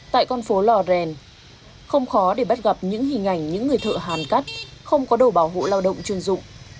tại con phố lò rèn không khó để bắt gặp những hình ảnh những người thợ hàn cắt không có đồ bảo hộ lao động chuyên dụng